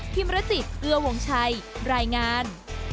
มรจิตเอื้อวงชัยรายงาน